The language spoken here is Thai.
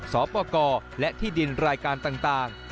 สปกรและที่ดินรายการต่าง